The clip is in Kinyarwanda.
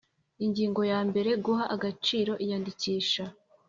Ingingo ya mbere Guha agaciro iyandikisha